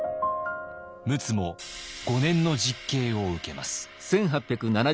陸奥も５年の実刑を受けます。